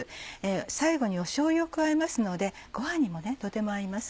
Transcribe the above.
最後にしょうゆを加えますのでご飯にもとても合います。